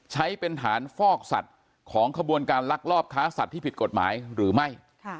ใช้เป็นฐานฟอกสัตว์ของขบวนการลักลอบค้าสัตว์ที่ผิดกฎหมายหรือไม่